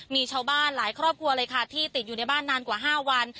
มีชาวบ้านหลายครอบครัวเลยค่ะที่ติดอยู่ในบ้านนานกว่า๕วัน